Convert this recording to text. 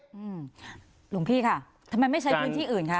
หลวงพี่ค่ะทำไมไม่ใช้พื้นที่อื่นคะ